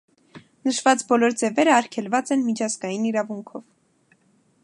Նշված բոլոր ձևերը արգելված են միջազգային իրավունքով։